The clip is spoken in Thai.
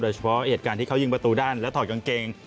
เฉพาะเหตุการณ์ที่เขายิงประตูด้านและถอดกางเกง